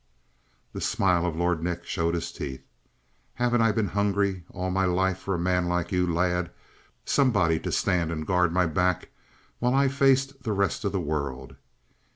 The smile of Lord Nick showed his teeth. "Haven't I been hungry all my life for a man like you, lad? Somebody to stand and guard my back while I faced the rest of the world?"